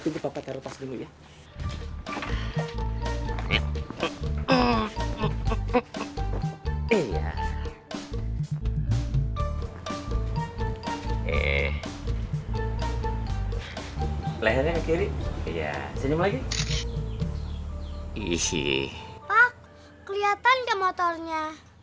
lehernya kiri iya senyum lagi isi pak kelihatan ke motornya